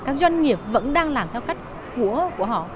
các doanh nghiệp vẫn đang làm theo cách của họ